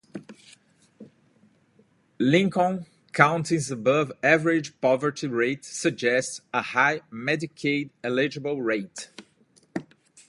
Lincoln County's above-average poverty rate suggests a high Medicaid eligibility rate.